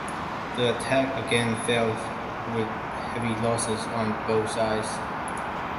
The attack again failed, with heavy losses on both sides.